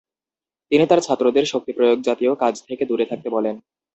তিনি তার ছাত্রদের শক্তিপ্রয়োগ জাতীয় কাজ থেকে দূরে থাকতে বলেন।